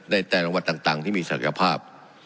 ในแต่ละจังหวัดต่างที่มีศักยภาพ